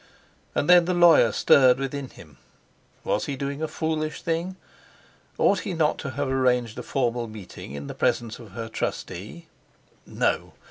And then the lawyer stirred within him. Was he doing a foolish thing? Ought he not to have arranged a formal meeting in the presence of her trustee? No!